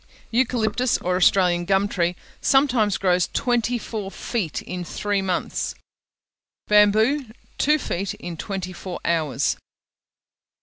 Eucalyptus, or Australian gum tree, sometimes grows twenty four feet in three months: bamboo, two feet in twenty four hours.